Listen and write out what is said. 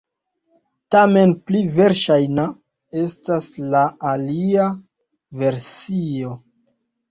Tamen pli verŝajna estas la alia versio.